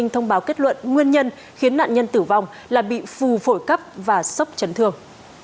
thông báo kết luận nguyên nhân khiến nạn nhân tử vong là bị phù phổi cấp và sốc chấn thương